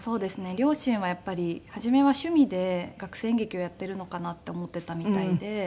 両親はやっぱり初めは趣味で学生演劇をやっているのかなと思っていたみたいで。